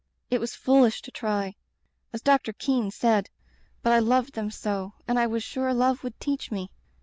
It was foolish to try, as Doc tor Kean said, but I loved them so, and I was sure love would teach me.